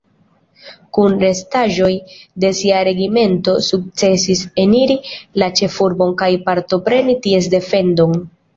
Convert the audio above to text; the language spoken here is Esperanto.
Kun restaĵoj de sia regimento sukcesis eniri la ĉefurbon kaj partopreni ties defendon.